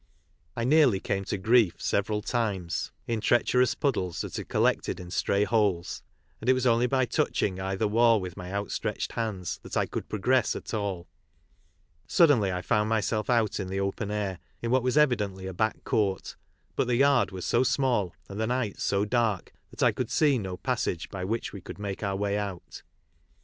I nearly camo to grief several times in treacherous puddles that had collec ted in stray holes, and it was only by touching either wall with my outstretched* hands that I could progress at all. Suddenly I found myself out in the open air, in what was evidently a back court ; but the yard was so small, and the night so dark, that I could see no passage by which we could make our way put.